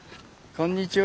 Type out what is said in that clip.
こんにちは。